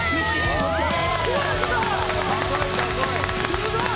すごい！